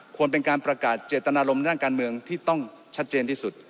ควรเป็นการประกาศเจตนารมณ์ด้านการเมืองที่ต้องชัดเจนที่สุด